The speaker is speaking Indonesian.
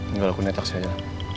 nggak laku netak saja